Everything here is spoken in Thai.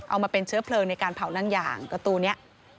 เอามาเป็นเชื้อเพลิงในการเผานั่งยางเกบี้